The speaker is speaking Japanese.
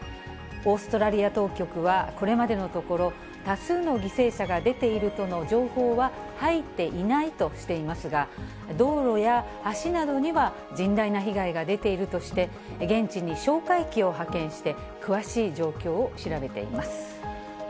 オーストラリア当局はこれまでのところ、多数の犠牲者が出ているとの情報は入っていないとしていますが、道路や橋などには甚大な被害が出ているとして、現地に哨戒機を派遣して、詳しい状況を調べています。